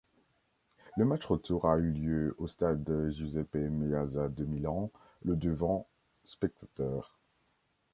Le match retour a lieu au stade Giuseppe-Meazza de Milan, le devant spectateurs.